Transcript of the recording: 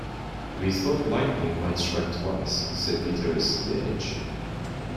"We thought lightning might strike twice", said guitarist The Edge.